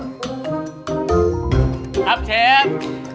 ครับเชฟ